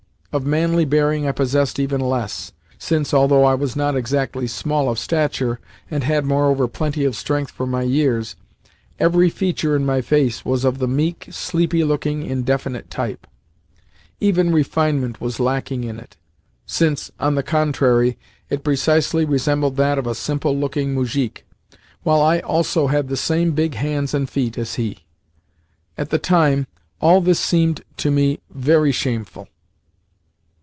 Of manly bearing I possessed even less, since, although I was not exactly small of stature, and had, moreover, plenty of strength for my years, every feature in my face was of the meek, sleepy looking, indefinite type. Even refinement was lacking in it, since, on the contrary, it precisely resembled that of a simple looking moujik, while I also had the same big hands and feet as he. At the time, all this seemed to me very shameful.